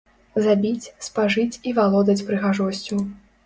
Забіць, спажыць і валодаць прыгажосцю!